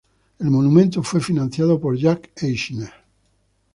El monumento fue financiado por Jacek Eisner.